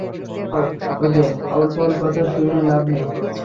চা দাও, ওদের আউল ফাউল কথা, শুইনা লাভ নাই।